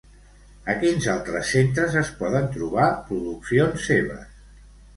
A quins altres centres es poden trobar produccions seves?